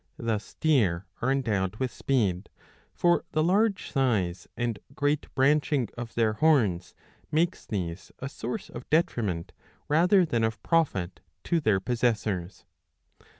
Thus deer are endowed with speed ; for the large size and great branching of their horns makes these a source of detriment rather than of profit to their possessors.